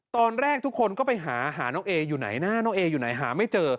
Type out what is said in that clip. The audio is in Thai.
ตอนแรกทุกคนก็ไปหาหาน้องเออยู่ไหนนะน้องเออยู่ไหนหาไม่เจอ